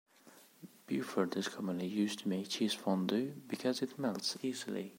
Beaufort is commonly used to make cheese fondue because it melts easily.